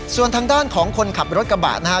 ส่วนทางด้านของคนขับรถกระบะนะฮะ